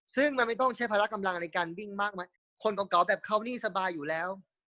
ซึ่งมันไม่ต้องใช้ภาระกำลังในการวิ่งมากคนเก่าแบบเขานี่สบายอยู่แล้ว